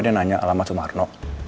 dan nanya alamat sumarno